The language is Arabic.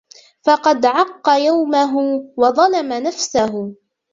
فَقَدْ عَقَّ يَوْمَهُ وَظَلَمَ نَفْسَهُ